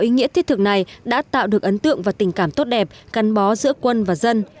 ý nghĩa thiết thực này đã tạo được ấn tượng và tình cảm tốt đẹp gắn bó giữa quân và dân